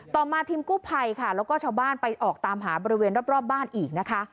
ต่อมาทีมกู้ภัยค่ะแล้วก็ชาวบ้านไปออกตามหาบริเวณรอบบ้านอีกนะคะ